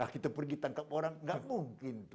kita pergi tangkap orang nggak mungkin